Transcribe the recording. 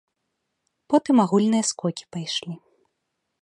Потым агульныя скокі пайшлі.